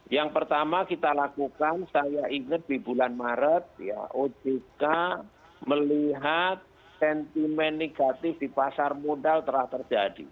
yang pertama kita lakukan saya ingat di bulan maret ya ojk melihat sentimen negatif di pasar modal telah terjadi